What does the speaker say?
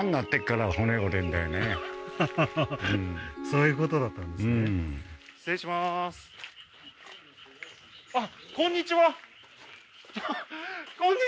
そういうことだったんですねまあ